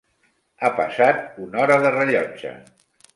Ha passat una hora de rellotge!